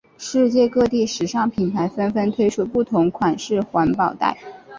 世界各地时尚品牌纷纷推出不同款式环保袋。